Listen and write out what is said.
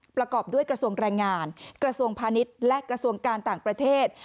ประกอบด้วยกระทรวงแรงงานกระทรวงพาณิชย์และกระทรวงการต่างประเทศ